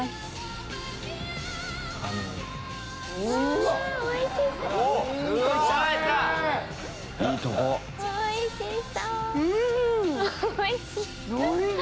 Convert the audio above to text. おいしい！